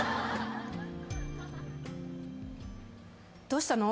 どうしたの？